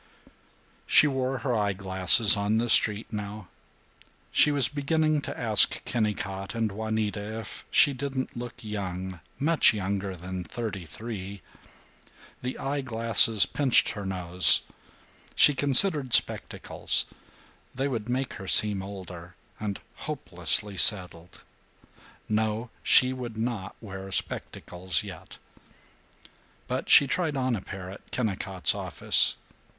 She wore her eye glasses on the street now. She was beginning to ask Kennicott and Juanita if she didn't look young, much younger than thirty three. The eye glasses pinched her nose. She considered spectacles. They would make her seem older, and hopelessly settled. No! She would not wear spectacles yet. But she tried on a pair at Kennicott's office.